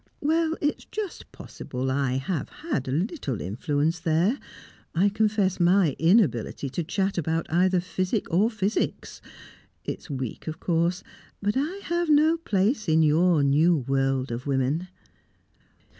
Well, it's just possible I have had a little influence there. I confess my inability to chat about either physic or physics. It's weak, of course, but I have no place in your new world of women."